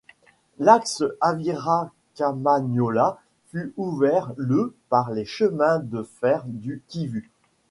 L’axe Uvira-Kamanyola, fut ouvert le par les Chemins de fer du Kivu.